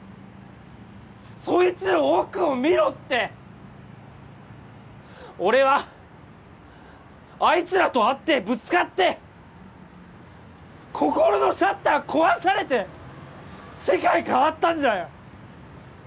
そいつの奥を見ろって俺はあいつらと会ってぶつかって心のシャッター壊されて世界変わったんだよ